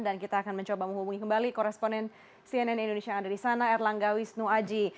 dan kita akan mencoba menghubungi kembali koresponen cnn indonesia yang ada di sana erlanggawi snuaji